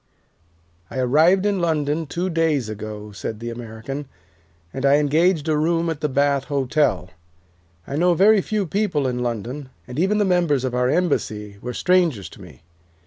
'" "I arrived in London two days ago," said the American, "and I engaged a room at the Bath Hotel. I know very few people in London, and even the members of our embassy were strangers to me.